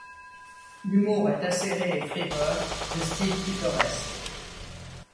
L’humour est acéré et frivole, le style pittoresque.